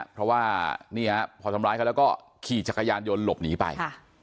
เพราะว่านี่ฮะพอทำร้ายเขาแล้วก็ขี่จักรยานยนต์หลบหนีไป